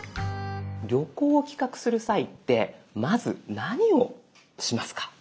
旅行を企画する際ってまず何をしますか？